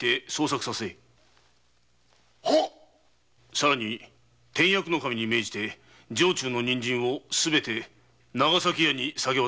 更に典薬頭に命じ城中の人参をすべて長崎屋に下げ渡せ。